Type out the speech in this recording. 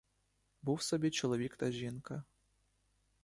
Був собі чоловік та жінка.